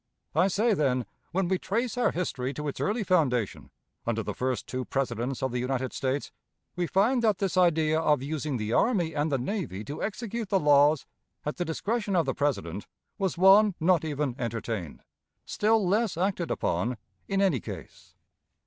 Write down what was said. I say, then, when we trace our history to its early foundation, under the first two Presidents of the United States, we find that this idea of using the army and the navy to execute the laws at the discretion of the President was one not even entertained, still less acted upon, in any case.